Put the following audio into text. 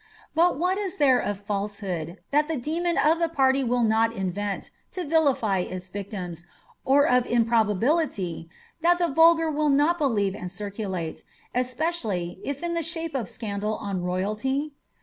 But what is there of fideehood that the demon of party will not inrent, to rilify its Tictiros, or of improbability, that the vulgar will not believe and ciiculate, especially, if in the sliapo of scandal on royalty